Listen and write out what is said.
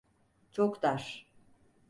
Çok dar.